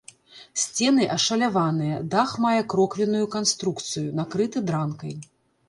Сцены ашаляваныя, дах мае кроквенную канструкцыю, накрыты дранкай.